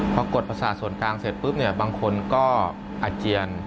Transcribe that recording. พอกดประสาทส่วนกลางเสร็จปุ๊บเนี่ยบางคนก็อาเจียน